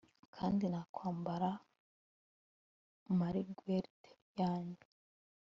kandi nakwambara marguerite yanjye